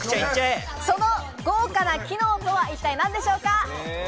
その豪華な機能とは一体何でしょうか？